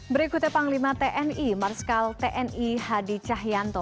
berikutnya panglima tni marskal tni hadi cahyanto